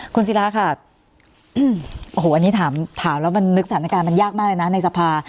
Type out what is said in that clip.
คุณศิราค่ะโอ้โหอันนี้ถามแล้วมันนึกสถานการณ์มันยากมากเลยนะในสภา